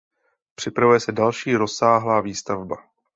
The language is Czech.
Připravuje se další rozsáhlá výstavba.